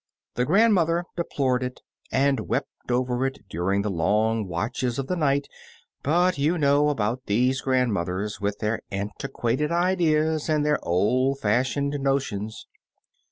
The grandmother deplored it, and wept over it during the long watches of the night — but you know about these grand mothers, with their antiquated ideas and their old fashioned notions.